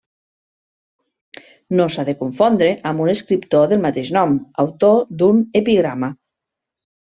No s'ha de confondre amb un escriptor del mateix nom, autor d'un epigrama.